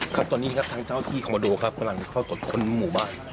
ครับตอนนี้ครับทางเจ้าที่คอมโมโดครับกำลังเข้าตรวจค้นหมู่บ้าน